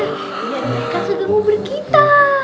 biar mereka tidak ngubur kita